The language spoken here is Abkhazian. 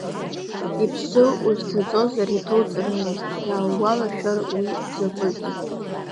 Иԥсы узҭаҵозар иҭоуҵарымызт, иааугәалашәар уи дзакәыз.